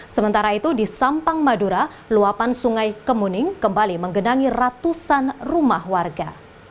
sementara itu di sampang madura luapan sungai kemuning kembali menggenangi ratusan rumah warga